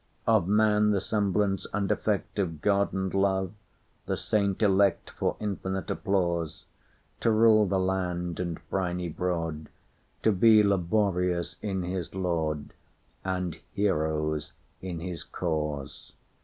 Of man—the semblance and effectOf God and love—the saint electFor infinite applause—To rule the land, and briny broad, To be laborious in his laud, And heroes in his cause.